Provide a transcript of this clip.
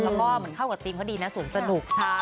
แล้วก็มันเข้ากับธีมเขาดีนะสวนสนุก